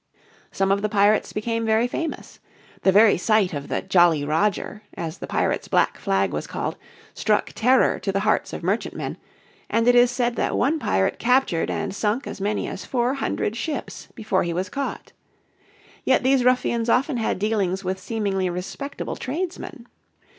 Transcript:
Some of the pirates became very famous. The very sight of the Jolly Roger, as the pirates' black flag was called, struck terror to the hearts of merchantmen, and it is said that one pirate captured and sunk as many as four hundred ships before he was caught. Yet these ruffians often had dealings with seemingly respectable tradesmen.